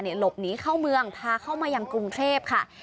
หลบหนีเข้าเมืองพาเข้ามายังกรุงเทพค่ะ